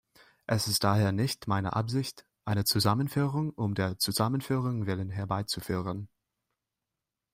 Es ist daher nicht meine Absicht, eine Zusammenführung um der Zusammenführung willen herbeizuführen.